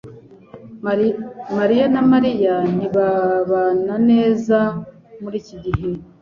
mariya na Mariya ntibabana neza muri iki gihe